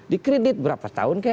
dikredit berapa tahun